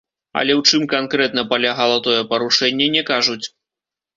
Але ў чым канкрэтна палягала тое парушэнне, не кажуць.